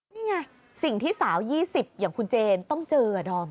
นี่ไงสิ่งที่สาว๒๐อย่างคุณเจนต้องเจอดอม